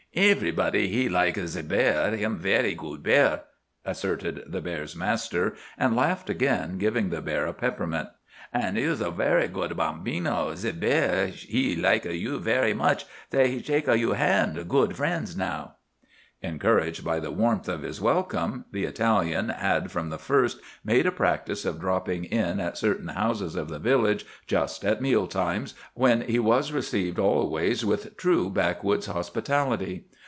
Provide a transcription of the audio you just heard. "Everybody he like a ze bear. Him vaira good bear," asserted the bear's master, and laughed again, giving the bear a peppermint. "An' you one vaira good bambino. Ze bear, he like a you vaira much. See he shak a you ze hand—good frens now." Encouraged by the warmth of his welcome, the Italian had from the first made a practice of dropping in at certain houses of the village just at meal times—when he was received always with true backwoods hospitality.